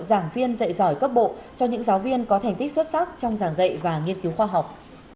giảng viên dạy giỏi cấp bộ cho những giáo viên có thành tích xuất sắc trong giảng dạy và nghiên cứu khoa học